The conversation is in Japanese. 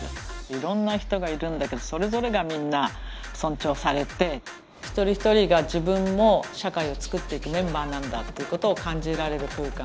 いろんな人がいるんだけどそれぞれがみんな尊重されて一人一人が自分も社会をつくっていくメンバーなんだっていうことを感じられる空間。